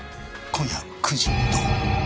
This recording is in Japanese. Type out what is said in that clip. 今夜９時。